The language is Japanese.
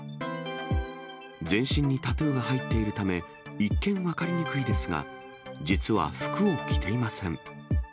全身にタトゥーが入っているため、一見分かりにくいですが、実は服を着ていません。